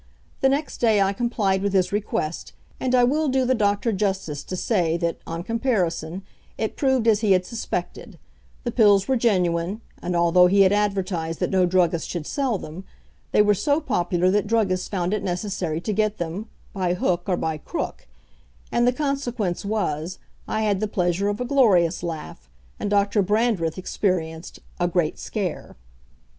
The next day, I complied with his request, and I will do the doctor justice to say that, on comparison, it proved as he had suspected; the pills were genuine, and although he had advertised that no druggist should sell them, they were so popular that druggists found it necessary to get them "by hook or by crook;" and the consequence was, I had the pleasure of a glorious laugh, and Doctor Brandreth experienced "a great scare."